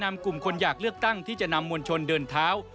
นำกลุ่มคนอยากเลือกตั้งที่จะนำมวลชนเดินเท้า